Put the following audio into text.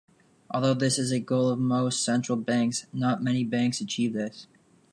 Although this is a goal of most central banks, not many banks achieve this.